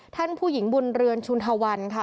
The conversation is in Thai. ท่านผู้หญิงบุญเรือนชุนทวันค่ะ